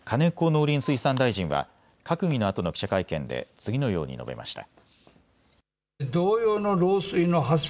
農林水産大臣は閣議のあとの記者会見で次のように述べました。